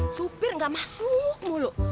supir gak masuk mulu